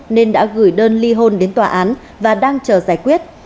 nên đã gửi đơn ly hôn đến tòa án và đang chờ giải quyết